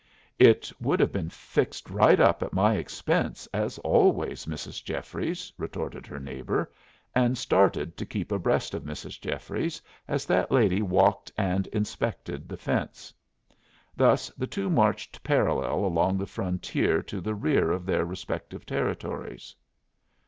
"It would have been fixed right up at my expense, as always, Mrs. Jeffries," retorted her neighbor, and started to keep abreast of Mrs. Jeffries as that lady walked and inspected the fence. Thus the two marched parallel along the frontier to the rear of their respective territories.